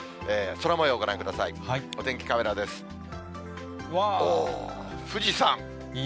空もようご覧ください。